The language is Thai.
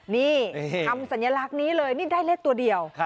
นี่ทำสัญลักษณ์นี้เลยนี่ได้เลขตัวเดียว